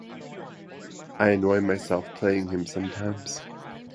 I annoy myself playing him sometimes.